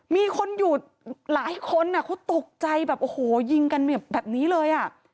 มีคนอยู่หลายคนเขาตกใจแบบโอ้โหยิงกันแบบนี้เลยอ่ะ